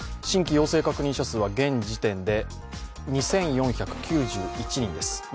新規陽性確認者数は現時点で２４９１人です。